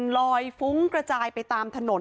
ลอยฟุ้งกระจายไปตามถนน